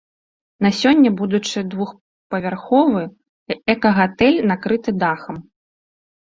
На сёння будучы двухпавярховы эка-гатэль накрыты дахам.